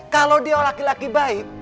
kalau dia laki laki baik